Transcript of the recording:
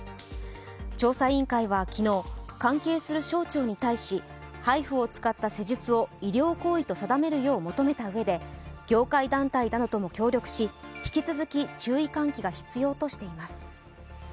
調査委員会は昨日、関係する省庁に対しＨＩＦＵを使った施術を医療行為と定めるよう求めたうえで業界団体などとも協力し、引き続き注意喚起が必要としています。